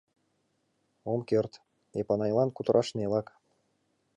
Ом керт, — Эпанайлан кутыраш нелак.